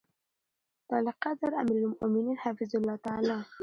د عاليقدر اميرالمؤمنين حفظه الله تعالی